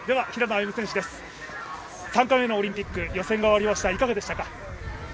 ３回目のオリンピック、予選が終わりました、いかがでしたか。